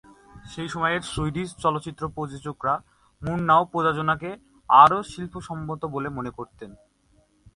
সেই সময়ের সুইডিশ চলচ্চিত্র সমালোচকরা মুরনাউ প্রযোজনাকে আরও 'শিল্পসম্মত' বলে মনে করতেন।